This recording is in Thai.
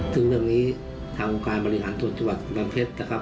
ซึ่งเรื่องนี้ทางองค์การบริหารส่วนจังหวัดกำแพงเพชรนะครับ